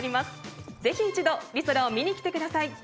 ぜひ一度リソラを見に来てください。